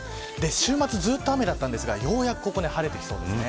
週末、ずっと雨だったんですがようやくここで晴れてきそうです。